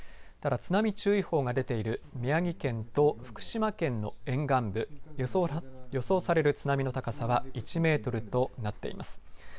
ただ津波注意報が出ている宮城県と福島県の沿岸部予想される津波の高さは１メートルとなっています。